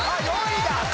４位だ！